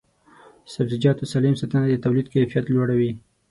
د سبزیجاتو سالم ساتنه د تولید کیفیت لوړوي.